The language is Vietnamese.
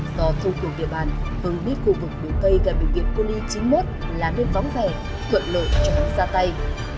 do thông thủ địa bàn hưng biết khu vực biểu cây gài biểu viện coney chín mươi một là nơi vóng vẻ thuận lộ cho hưng ra tay